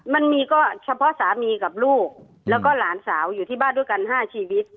มันก็เฉพาะสามีกับลูกแล้วก็หลานสาวอยู่ที่บ้านด้วยกัน๕ชีวิต